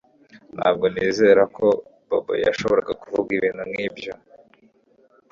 Ntabwo nizera ko Bobo yashoboraga kuvuga ibintu nkibyo